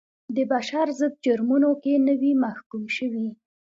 د بشر ضد جرمونو کې نه وي محکوم شوي.